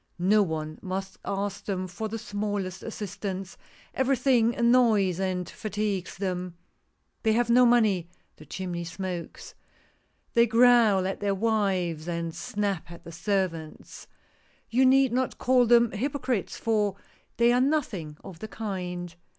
No one must ask them for the smallest assistance — every thing annoys and fatigues them — they have no money — the chimney smokes — they growl at their wiveSj^ and snap at the servants. You need not call them hypocrites, fox they are nothing of the kind.